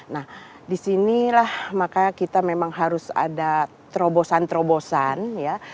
nah di sinilah makanya kita memang harus ada terobosan terobosan ya